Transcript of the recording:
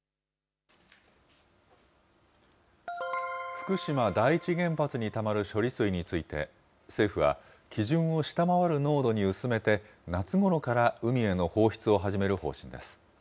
福島第一原発にたまる処理水について、政府は、基準を下回る濃度に薄めて、夏ごろから海への放出を始める方針です。